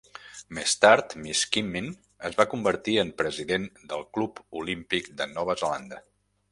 Més tard, Miskimmin es va convertir en president del Club Olímpic de Nova Zelanda.